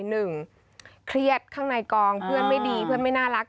เครียดข้างในกองเพื่อนไม่ดีเพื่อนไม่น่ารัก